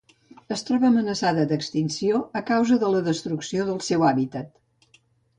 Es troba amenaçada d'extinció a causa de la destrucció del seu hàbitat.